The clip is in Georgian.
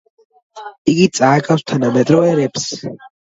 იგი წააგავს თანამედროვე რეპს.